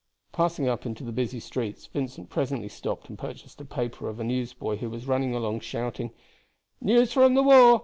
Passing up into the busy streets, Vincent presently stopped and purchased a paper of a newsboy who was running along shouting, "News from the war.